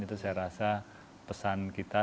itu saya rasa pesan kita